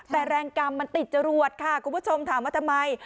แต่แรงกรรมมันติดจรวดค่ะคุณผู้ชมถามว่าทำไม